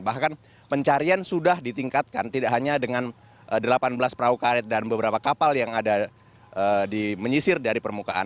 bahkan pencarian sudah ditingkatkan tidak hanya dengan delapan belas perahu karet dan beberapa kapal yang ada di menyisir dari permukaan